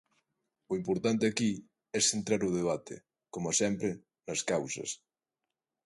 O importante aquí é centrar o debate, coma sempre, nas causas.